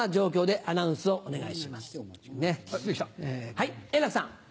はい円楽さん。